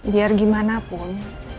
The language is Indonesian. biar gimana pun